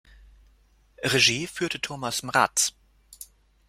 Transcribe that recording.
Regie führte Thomas Mraz.